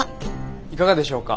いかがでしょうか？